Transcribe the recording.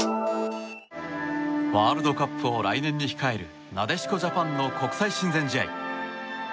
ワールドカップを来年に控えるなでしこジャパンの国際親善試合。